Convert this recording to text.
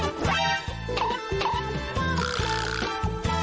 เหยียบแล้วค่ะ